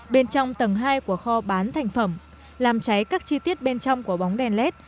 bên trong tầng hai của kho bán thành phẩm làm cháy các chi tiết bên trong của bóng đèn led